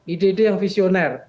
ide ide yang visioner